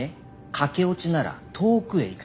駆け落ちなら遠くへ行くとか